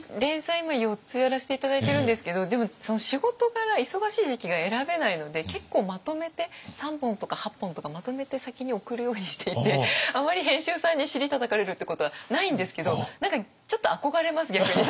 今４つやらせて頂いてるんですけどでも仕事柄忙しい時期が選べないので結構まとめて３本とか８本とかまとめて先に送るようにしていてあまり編集さんに尻たたかれるってことはないんですけど何かちょっと憧れます逆に。